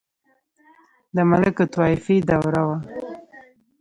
• د ملوکالطوایفي دوره وه.